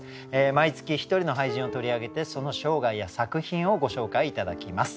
毎月１人の俳人を取り上げてその生涯や作品をご紹介頂きます。